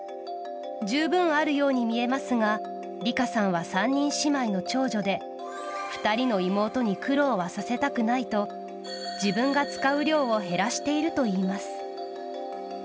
十分あるように見えますがリカさんは３人姉妹の長女で２人の妹に苦労はさせたくないと自分が使う量を減らしているといいます。